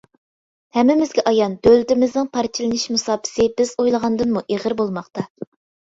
ھەممىمىزگە ئايان، دۆلىتىمىزنىڭ پارچىلىنىش مۇساپىسى بىز ئويلىغاندىنمۇ ئېغىر بولماقتا.